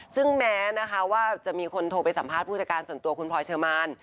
ซึ่งแม้นะคะว่าจะมีคนโทรไปสัมภาษณ์ผู้จัดการส่วนตัวคุณพลอยเชอร์มาน